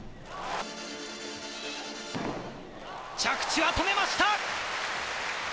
着地は止めました！